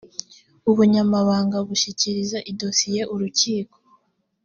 ubunyamabanga bushyikiriza idosiye urukiko